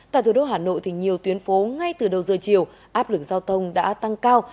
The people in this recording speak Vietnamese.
tại thủ đô hà nội nhiều tuyến phố ngay từ đầu giờ chiều áp lực giao thông đã tăng cao